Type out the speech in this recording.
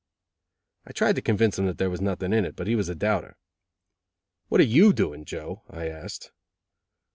I tried to convince him that there was nothing in it, but he was a doubter. "What are you doing, Joe?" I asked.